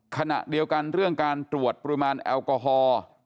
ขณะเดียวกันเรื่องการตรวจปริมาณแอลกอฮอล์